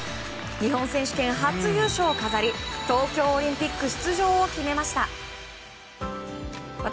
日本選手権初優勝を飾り東京オリンピック出場を決めました。